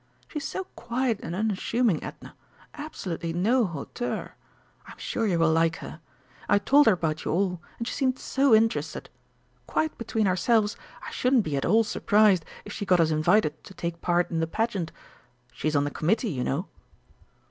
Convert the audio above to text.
She's so quiet and unassuming, Edna absolutely no hauteur. I'm sure you will like her. I told her about you all, and she seemed so interested. Quite between ourselves, I shouldn't be at all surprised if she got us invited to take part in the Pageant she's on the Committee, you know."